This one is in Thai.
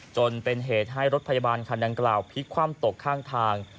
จนเป็นเหตุให้รถพยาบาลคันดังกล่าวพลิกคว่ำตกข้างทาง